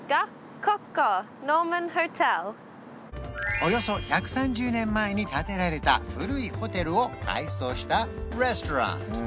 およそ１３０年前に建てられた古いホテルを改装したレストラン